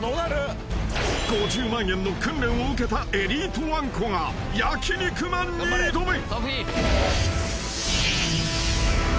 ［５０万円の訓練を受けたエリートわんこが焼肉マンに挑む］